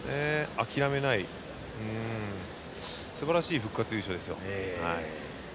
諦めないすばらしい復活優勝ですよ。